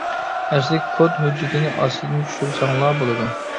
ئەسلى كود ھۆججىتىنى ئاستىدىن چۈشۈرسەڭلار بولىدۇ!